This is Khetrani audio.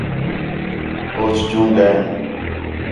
ہوچ جو ڳئین